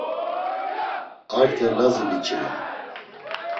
Arte Lazi biç̌i ren.